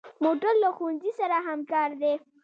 موټر له ښوونځي سره همکار دی.